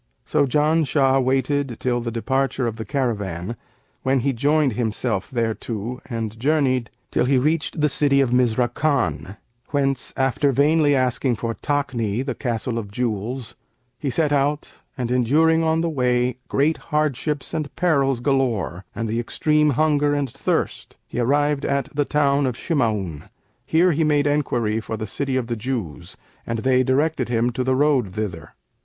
So Janshah waited till the departure of the caravan, when he joined himself thereto and journeyed, till he reached the city of Mizrakan whence, after vainly asking for Takni, the Castle of Jewels, he set out and enduring on the way great hardships and perils galore and the extreme of hunger and thirst, he arrived at the town of Shima'un. Here he made enquiry for the City of the Jews, and they directed him to the road thither.